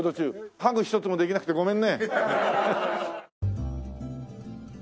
ハグ一つもできなくてごめんね。